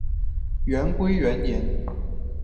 元龟元年。